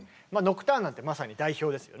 「ノクターン」なんてまさに代表ですよね。